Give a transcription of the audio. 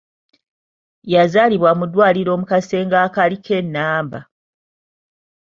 Yazaalibwa mu ddwaliro mu kasenge akaaliko ennamba.